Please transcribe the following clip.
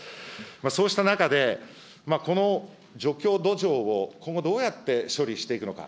そうした中で、除去土壌を今後どうやって処理していくのか。